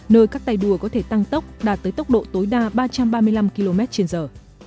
nơi các tay đua có thể tăng tốc đạt tới tốc độ tối đa ba trăm ba mươi năm km trên giờ